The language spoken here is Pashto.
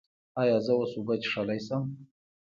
ایا زه اوس اوبه څښلی شم؟